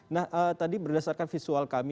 nah tadi berdasarkan visual kami